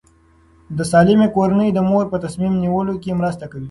د سالمې کورنۍ د مور په تصمیم نیول کې مرسته کوي.